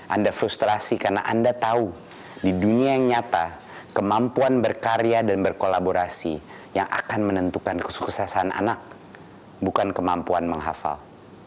anda frustrasi karena anda tahu di dunia yang nyata kemampuan berkarya dan berkolaborasi yang akan menentukan kesuksesan anak bukan kemampuan menghafal